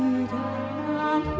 engkau ku hargai